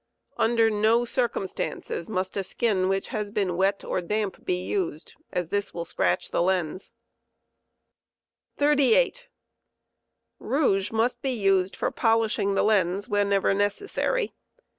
Under iw cireumstances must a skin which has been, wet or damp be used, as this will scratch the lens* How jo pre 38. Rouge must be used for polishing the lens whenever necessary.